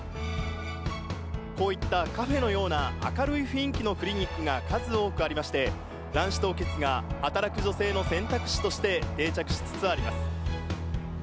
こういったカフェのような明るい雰囲気のクリニックが数多くありまして、卵子凍結が働く女性の選択肢として定着しつつあります。